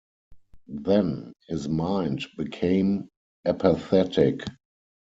Then his mind became apathetic.